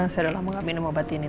saya udah lama gak minum obat ini